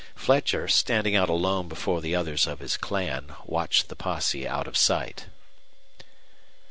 Fletcher, standing out alone before the others of his clan, watched the posse out of sight.